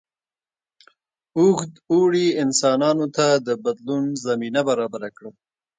اوږد اوړي انسانانو ته د بدلون زمینه برابره کړه.